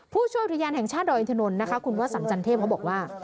ผู้ช่วยอุทยานแห่งชาติดอยอินทนนท์นะคะคุณวสันจันเทพเขาบอกว่า